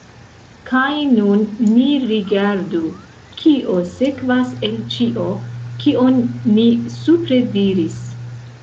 Kaj nun ni rigardu, kio sekvas el ĉio, kion ni supre diris.